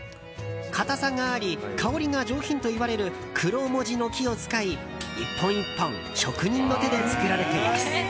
硬さがあり香りが上品といわれるクロモジの木を使い１本１本職人の手で作られています。